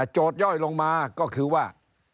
ย่อยลงมาก็คือว่า